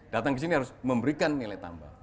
datang ke sini harus memberikan nilai tambah